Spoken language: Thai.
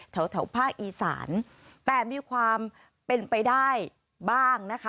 แถวแถวภาคอีสานแต่มีความเป็นไปได้บ้างนะคะ